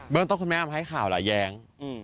เบอร์ต้องคุณแม่เอามาให้ข่าวเหรอแย้ง